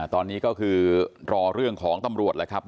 ตอนนี้ก็คือรอเรื่องของตำรวจแล้วครับ